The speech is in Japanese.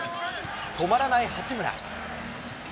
止まらない八村。